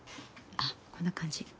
あっこんな感じ。